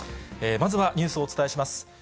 まずはニュースをお伝えします。